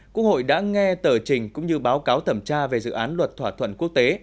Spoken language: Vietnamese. quốc hội đã nghe tờ trình cũng như báo cáo thẩm tra về dự án luật thỏa thuận quốc tế